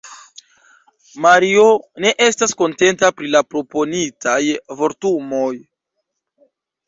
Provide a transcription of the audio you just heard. Mario ne estas kontenta pri la proponitaj vortumoj.